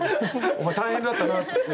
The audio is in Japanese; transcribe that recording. お前、大変だったなって。